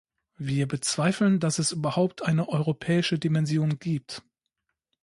Wir bezweifeln, dass es überhaupt eine "europäische Dimension" gibt.